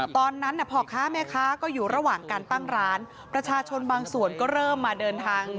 ตอนนั้นน่ะพ่อค้าแม่ค้าก็อยู่ระหว่างการตั้งร้านประชาชนบางส่วนก็เริ่มมาเดินทาง